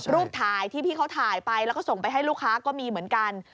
รูปถ่ายที่พี่เขาถ่ายไปแล้วก็ส่งไปให้ลูกค้าก็มีเหมือนกัน